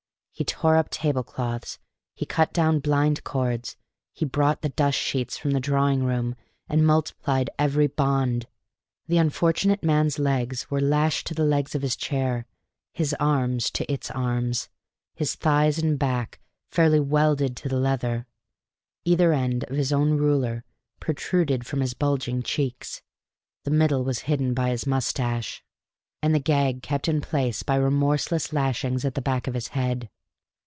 He tore up tablecloths, he cut down blind cords, he brought the dust sheets from the drawing room, and multiplied every bond. The unfortunate man's legs were lashed to the legs of his chair, his arms to its arms, his thighs and back fairly welded to the leather. Either end of his own ruler protruded from his bulging cheeks the middle was hidden by his moustache and the gag kept in place by remorseless lashings at the back of his head.